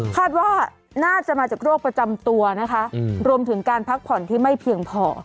คาดว่าน่าจะมาจากโรคประจำตัวนะคะรวมถึงการพักผ่อนที่ไม่เพียงพอ